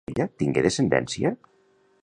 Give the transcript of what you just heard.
La parella tingué descendència?